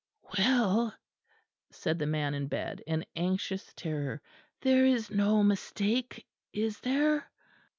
"Well," said the man in bed, in anxious terror, "there is no mistake, is there?"